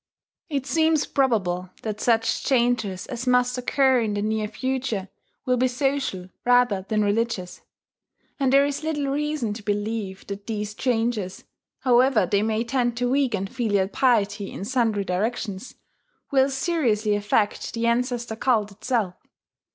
It seems probable that such changes as must occur in the near future will be social rather than religious; and there is little reason to believe that these changes however they may tend to weaken filial piety in sundry directions will seriously affect the ancestor cult itself.